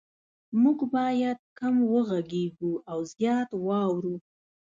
مونږ باید کم وغږیږو او زیات واورو